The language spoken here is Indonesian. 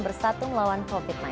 bersatung lawan covid sembilan belas